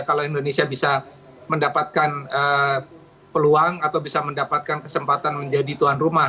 kalau indonesia bisa mendapatkan peluang atau bisa mendapatkan kesempatan menjadi tuan rumah